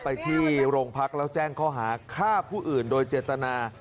ไปที่โรงพักแล้วแจ้งข้อหาฆ่าผู้อื่นโดยเจตนา